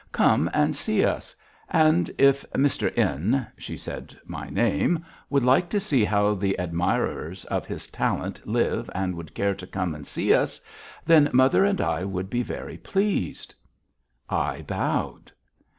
"Come and see us, and if Mr. N. (she said my name) would like to see how the admirers of his talent live and would care to come and see us, then mother and I would be very pleased." I bowed.